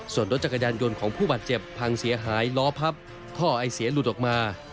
ส่วนรถจักรยานยนต์ของผู้บาดเจ็บพังเสียหายล้อพับท่อไอเสียหลุดออกมา